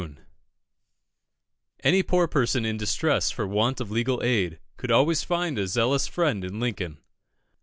Any poor person in distress for want of legal aid could always find a zealous friend in Lincoln.